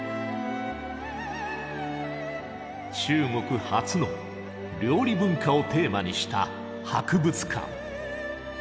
中国初の料理文化をテーマにした博物館。